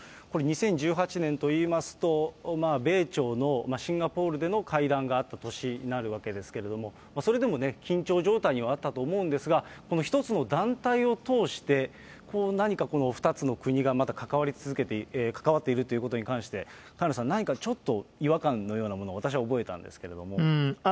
これ、２０１８年といいますと、米朝のシンガポールでの会談があった年になるわけですけれども、それでもね、緊張状態にはあったと思うんですが、この一つの団体を通して、何かこの２つの国がまた関わっているということに対して、萱野さん、何かちょっと違和感のようなものを私は覚えたんですけれども。